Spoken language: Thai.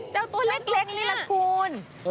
เจ้าตัวเล็กนี่แหละคุณ